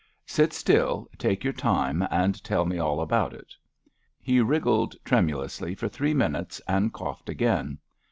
*^ Sit still, take your time and tell me all about if He wriggled tremulously for three minutes, and coughed again.